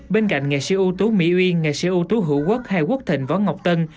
bên cạnh nghệ sĩ ưu tú mỹ uyên nghệ sĩ ưu tú hữu quốc hay quốc thình võ ngọc tân